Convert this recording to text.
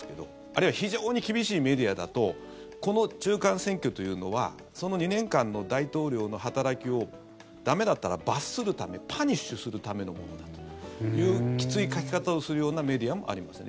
あるいは非常に厳しいメディアだとこの中間選挙というのはその２年間の大統領の働きを駄目だったら罰するためパニッシュするためのものだというきつい書き方をするようなメディアもあります。